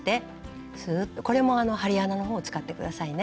これも針穴のほうを使って下さいね。